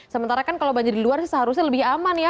sementara kan kalau banjir di luar sih seharusnya lebih aman ya